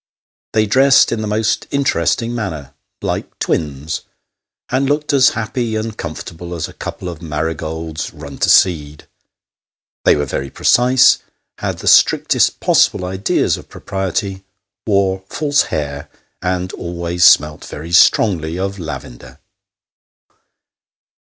They dressed in the most interesting manner like twins ! and looked as happy and comfortable as a couple of marigolds run to seed. They were very precise, had the strictest possible ideas of propriety, wore false hair, and always smelt very strongly of lavender.